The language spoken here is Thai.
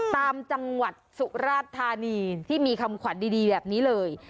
ตามจังหวัดสุราธานีที่มีคำขวัญดีแบบนี้เลย